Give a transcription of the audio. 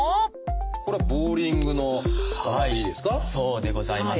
これはボウリングの球でいいですか？